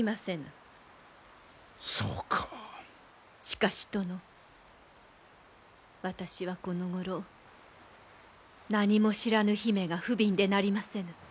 しかし殿私はこのごろ何も知らぬ姫がふびんでなりませぬ。